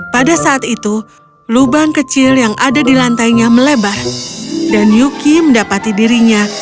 pada saat itu lubang kecil yang ada di lantainya melebar dan yuki mendapati dirinya